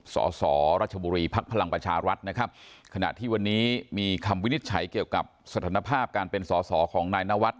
สสรัชบุรีภักดิ์พลังประชารัฐนะครับขณะที่วันนี้มีคำวินิจฉัยเกี่ยวกับสถานภาพการเป็นสอสอของนายนวัด